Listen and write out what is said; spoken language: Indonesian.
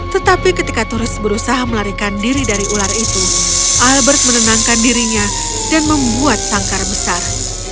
tetapi ketika turis berusaha melarikan diri dari ular itu albert menenangkan dirinya dan membuat sangkar besar